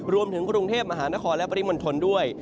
รวมถึงกรุงเทพมหานครและปริมณฑลด้วย